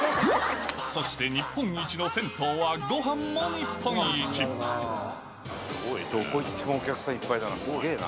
そして日本一の銭湯はごはんどこ行っても、お客さんいっぱいだな、すげぇな。